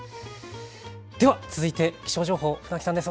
では続いて気象情報、船木さんです。